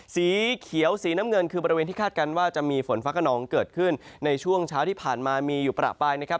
สีเขียวสีน้ำเงินคือบริเวณที่คาดการณ์ว่าจะมีฝนฟ้าขนองเกิดขึ้นในช่วงเช้าที่ผ่านมามีอยู่ประปรายนะครับ